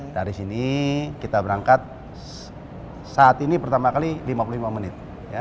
dari sini kita berangkat saat ini pertama kali lima puluh lima menit